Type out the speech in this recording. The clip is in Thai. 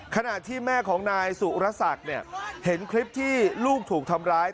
ขณะที่แม่ของนายสุรศักดิ์เห็นคลิปที่ลูกถูกทำร้าย